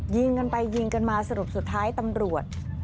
ยิงกันไปยิงกันมาสรุปสุดท้ายตำรวจ